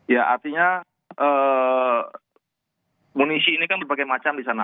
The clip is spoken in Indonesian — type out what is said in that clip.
ya artinya bonisi ini kan berbagai macam di sana